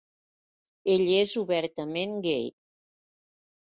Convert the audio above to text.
Ell és obertament gai.